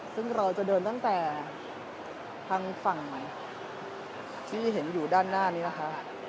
ซึ่งเราจะเดินตั้งแต่ทางฝั่งที่เห็นอยู่ด้านหน้านี้นะคะ